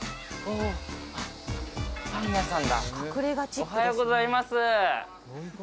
おはようございます